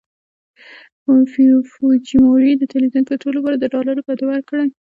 فوجیموري د ټلویزیونونو کنټرول لپاره ډالرو بډو ورکړي وو.